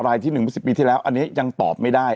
ที่๑เมื่อ๑๐ปีที่แล้วอันนี้ยังตอบไม่ได้